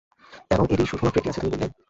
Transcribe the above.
এবং এটি শুধুমাত্র একটি আছে, তুমি বললে?